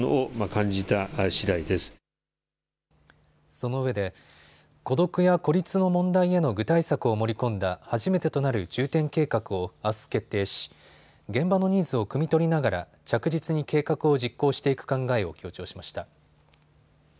そのうえで孤独や孤立の問題への具体策を盛り込んだ初めてとなる重点計画をあす決定し現場のニーズをくみ取りながら着実に計画を実行していく考えを強調しました。